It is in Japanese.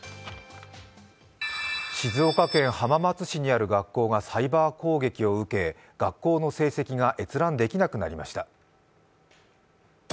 静岡県浜松市にある学校がサイバー攻撃を受け学校の成績が閲覧できなくなりました。